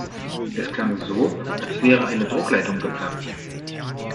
Es klang so, als wäre eine Druckleitung geplatzt.